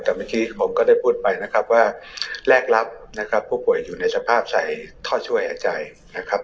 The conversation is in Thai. แต่เมื่อกี้ผมก็ได้พูดไปนะครับว่าแลกรับนะครับผู้ป่วยอยู่ในสภาพใส่ท่อช่วยหายใจนะครับ